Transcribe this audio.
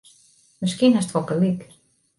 Miskien hast wol gelyk.